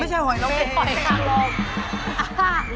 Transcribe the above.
เป็นหอยข้างลง